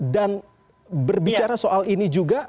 dan berbicara soal ini juga